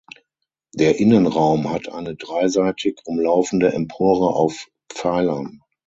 Der Innenraum hat eine dreiseitig umlaufende Empore auf Pfeilern.